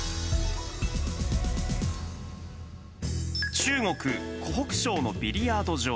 中国・湖北省のビリヤード場。